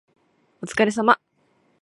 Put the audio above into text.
お疲れ様